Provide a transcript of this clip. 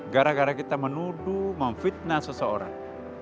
gara gara kita menuduh memfitnah seseorang